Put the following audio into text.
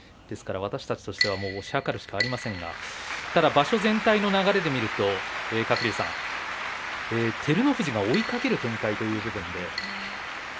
ですから私たちとしては推し量るしかありませんがただ場所全体の流れで見ると鶴竜さん、照ノ富士追いかける展開ということで。